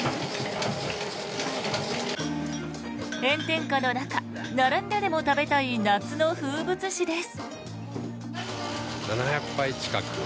炎天下の中、並んででも食べたい夏の風物詩です。